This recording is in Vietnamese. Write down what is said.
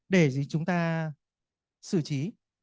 để gì chúng ta xử trí